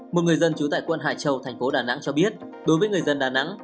một người dân trú tại quận hải châu thành phố đà nẵng cho biết đối với người dân đà nẵng